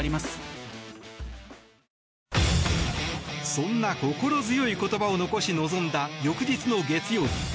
そんな心強い言葉を残し臨んだ翌日の月曜日。